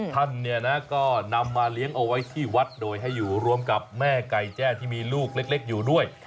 ท่านเนี่ยนะก็นำมาเลี้ยงเอาไว้ที่วัดโดยให้อยู่รวมกับแม่ไก่แจ้ที่มีลูกเล็กอยู่ด้วย